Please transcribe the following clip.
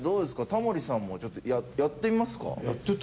タモリさんもちょっとやってみますか？